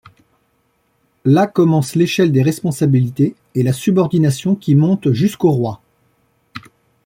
Là commence l’échelle des responsabilités, et la subordination, qui monte jusqu’au roi.